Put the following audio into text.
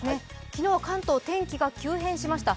昨日は関東天気が急変しました。